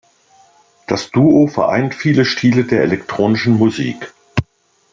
Das Duo vereint viele Stile der elektronischen Musik.